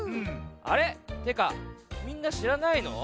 てかみんなしらないの？